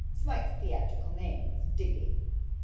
(Smike's theatrical name was Digby.)